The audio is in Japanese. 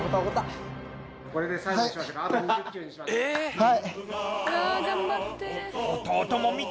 はい。